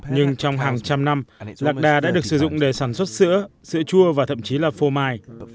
nhưng trong hàng trăm năm lạc đà đã được sử dụng để sản xuất sữa sữa chua và thậm chí là phô mai